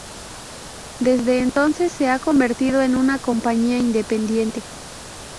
Desde entonces se ha convertido en una compañía independiente.